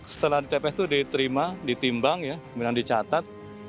setelah di tps itu diterima ditimbang ya kemudian dicatat